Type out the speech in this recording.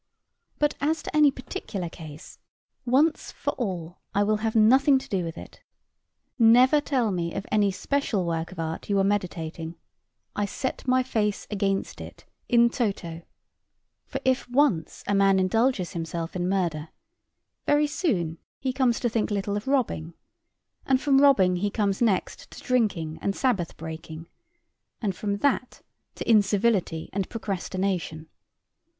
But as to any particular case, once for all I will have nothing to do with it. Never tell me of any special work of art you are meditating I set my face against it in toto. For if once a man indulges himself in murder, very soon he comes to think little of robbing; and from robbing he comes next to drinking and Sabbath breaking, and from that to incivility and procrastination.